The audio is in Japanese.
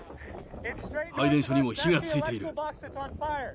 配電所にも火がついている。